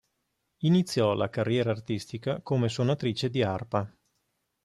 Iniziò la carriera artistica come suonatrice di arpa.